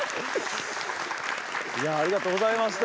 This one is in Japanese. いやありがとうございました。